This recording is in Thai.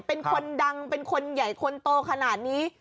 เป็นคนดังเป็นคนใหญ่คนโตขนาดนี้